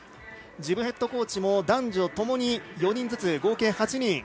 ジブヘッドコーチも男女ともに４人ずつ合計８人。